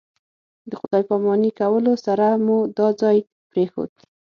د خدای پاماني کولو سره مو دا ځای پرېښود.